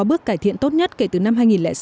bước cải thiện tốt nhất kể từ năm hai nghìn sáu